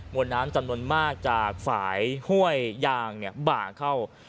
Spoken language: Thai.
วนน้ำจำนวนมากจากฝ่ายห้วยยางบ่างเข้า